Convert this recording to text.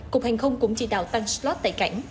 cục hành không cũng chỉ đạo tăng slot tại cảnh